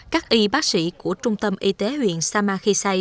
các y bác sĩ của trung tâm y tế huyện samakhisay